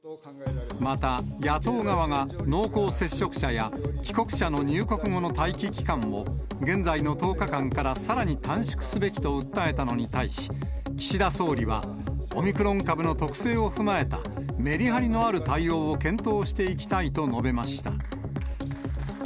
また、野党側が濃厚接触者や帰国者の入国後の待機期間を、現在の１０日間からさらに短縮すべきと訴えたのに対し、岸田総理は、オミクロン株の特性を踏まえた、メリハリのある対応を検討していきたいと述べました。